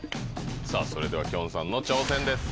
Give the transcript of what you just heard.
さぁそれではきょんさんの挑戦です。